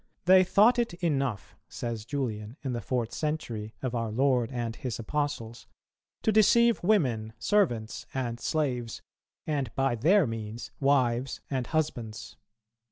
"They thought it enough," says Julian in the fourth century, of our Lord and His Apostles, "to deceive women, servants, and slaves, and by their means wives and husbands."